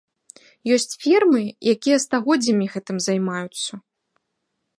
Ёсць фірмы, якія стагоддзямі гэтым займаюцца.